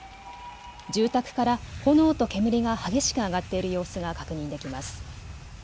住宅から炎と煙が激しく上がっている様子が確認できます。